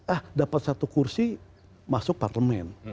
ah dapat satu kursi masuk parlemen